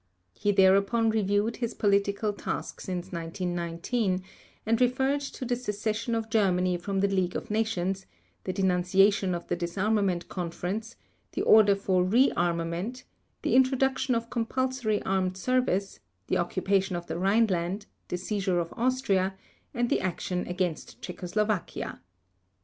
He thereupon reviewed his political task since 1919, and referred to the secession of Germany from the League of Nations, the denunciation of the Disarmament Conference, the order for re armament, the introduction of compulsory armed service, the occupation of the Rhineland, the seizure of Austria, and the action against Czechoslovakia.